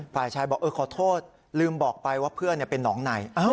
ฝ่ายชายบอกเออขอโทษลืมบอกไปว่าเพื่อนเป็นน้องไหน